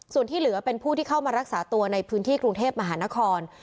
ส่วนที่เหลือเป็นผู้ที่เข้ามารักษาตัวในพื้นที่กรุงเทพมหานคร